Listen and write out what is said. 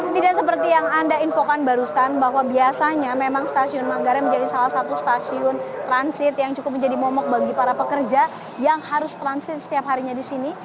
tidak seperti yang anda infokan barusan bahwa biasanya memang stasiun manggarai menjadi salah satu stasiun transit yang cukup menjadi momok bagi para pekerja yang harus transit setiap harinya di sini